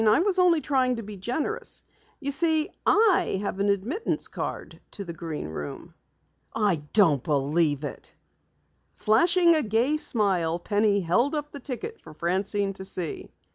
I was only trying to be generous. You see, I have an admittance card to the Green Room." "I don't believe it!" Flashing a gay smile, Penny held up the ticket for Francine to see.